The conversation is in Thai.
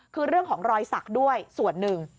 คือเรื่องของรอยสักด้วยส่วนหนึ่ง